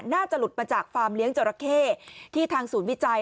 น่าจะหลุดมาจากฟาร์มเลี้ยงจราเข้ที่ทางศูนย์วิจัย